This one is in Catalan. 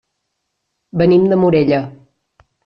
Venim de Morella.